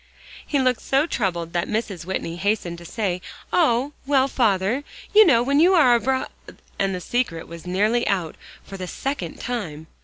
He looked so troubled that Mrs. Whitney hastened to say, "Oh, well, father! you know when you are abr" and the secret Was nearly out for the second time!